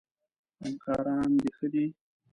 همکاران د ښه دي؟